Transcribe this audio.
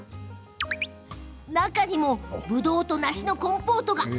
中にもぶどうと梨のコンポートが。